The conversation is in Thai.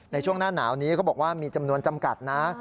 ในช่วงหน้าหนาวนี้เขาบอกว่ามีจำนวนจำกัดนะ